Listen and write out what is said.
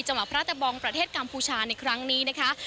พระตะบองประเทศกัมพูชาในครั้งนี้นะคะ